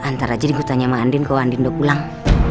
ntar aja dikutanya sama andin kalo andin udah pulang